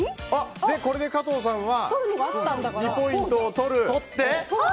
これで加藤さんは２ポイントを取って。